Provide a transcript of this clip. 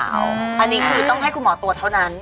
อันนี้คือต้องให้คุณหมอตรวจเท่านั้น